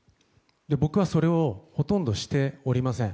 僕は、それをほとんどしておりません。